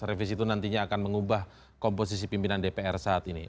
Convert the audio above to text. revisi itu nantinya akan mengubah komposisi pimpinan dpr saat ini